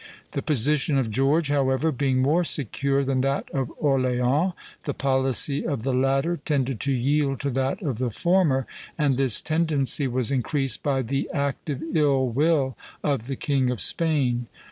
The position of George, however, being more secure than that of Orleans, the policy of the latter tended to yield to that of the former, and this tendency was increased by the active ill will of the King of Spain.